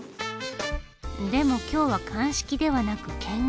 でも今日は鑑識ではなく見学。